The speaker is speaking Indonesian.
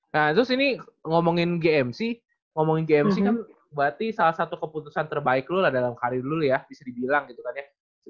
nah terus ini ngomongin gm sih ngomongin gmc kan berarti salah satu keputusan terbaik lu lah dalam karir lulu ya bisa dibilang gitu kan ya